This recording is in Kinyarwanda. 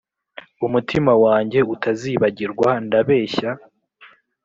umutima wanjye utazibagirwa ndabeshya.